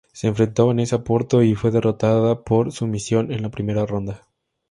Se enfrentó a Vanessa Porto y fue derrotada por sumisión en la primera ronda.